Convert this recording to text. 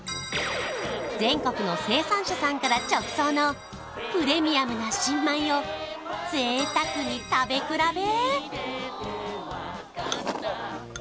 全国の生産者さんから直送のプレミアムな新米を贅沢に食べ比べ！